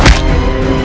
ya tuhan ya